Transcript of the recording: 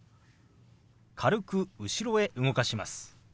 軽く後ろへ動かします。